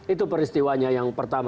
itu peristiwanya yang pertama